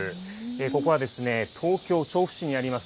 ここはですね、東京・調布市にあります